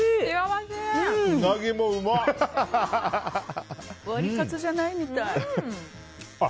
ワリカツじゃないみたい。